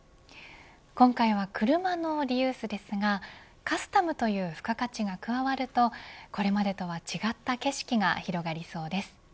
今回は車のリユースですがカスタムという付加価値が加わるとこれまでとは違った景色が広がりそうです。